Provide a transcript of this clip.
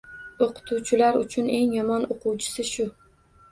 Oʻqituvchilar uchun eng yomon oʻquvchi-shu.